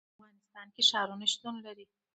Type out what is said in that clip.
په افغانستان کې ښارونه شتون لري.